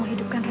eh untuk apa